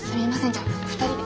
じゃあ２人で。